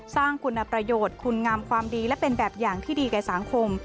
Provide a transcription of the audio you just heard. สร้างคุณประโยชน์คุณงามความดีและเป็นแบบอย่างที่ดีแก่สังคม